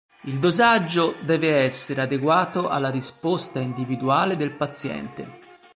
Il dosaggio deve essere adeguato alla risposta individuale del paziente.